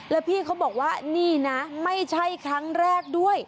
แล้วพี่เขาบอกว่านี่นะไม่ใช่ครั้งแรกด้วย